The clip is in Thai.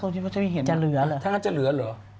เธอจะเหลือหรือ